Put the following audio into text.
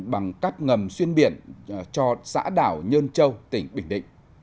bằng các ngầm xuyên biển cho xã đảo nhơn châu tỉnh bình định